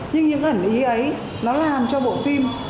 nhưng những ẩn ý ấy nó làm cho bộ phim